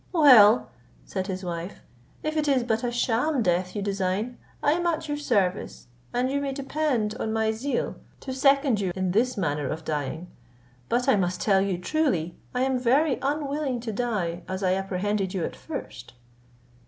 "Well," said his wife, "if it is but a sham death you design, I am at your service, and you may depend on my zeal to second you in this manner of dying; but I must tell you truly, I am very unwilling to die, as I apprehended you at first."